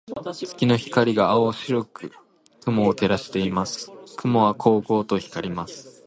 月の光が青白く雲を照らしています。雲はこうこうと光ります。